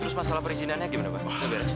terus masalah perizinannya gimana pak